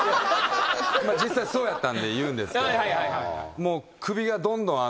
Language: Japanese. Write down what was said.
実際そうやったんで言うんですけど。